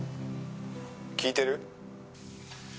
「聞いてる？」